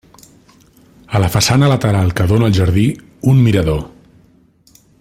A la façana lateral que dóna al jardí, un mirador.